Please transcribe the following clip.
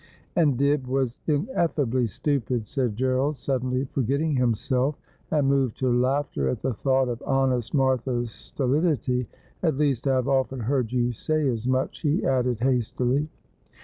' And Dibb was ineffably stupid,' said Gerald, suddenly for getting himself, and moved to laughter at the thought of honest Martha's stolidity ;' at least, I have often heard you say as much,' he added hastily.